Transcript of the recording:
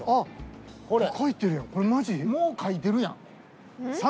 これもう書いてるやん。